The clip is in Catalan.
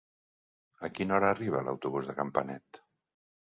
A quina hora arriba l'autobús de Campanet?